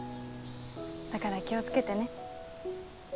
だから気を付けてね。